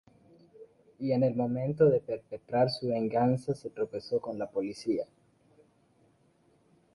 Y en el momento de perpetrar su venganza, se tropezó con la policía.